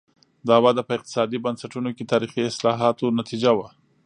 دا وده په اقتصادي بنسټونو کې تاریخي اصلاحاتو نتیجه وه.